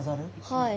はい。